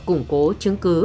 củng cố chứng cứ